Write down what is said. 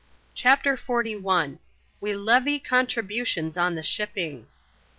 CHAPTER XLL We levy Contributions on the Shipping.